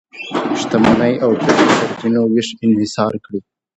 د شتمنۍ او طبیعي سرچینو وېش انحصار کړي.